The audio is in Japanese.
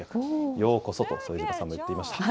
ようこそとも言っていました。